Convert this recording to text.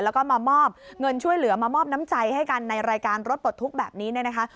แล้วก็มามอบเงินช่วยเหลือมามอบน้ำใจให้กันในรายการรถปลดทุกข์แบบนี้เนี่ยนะคะ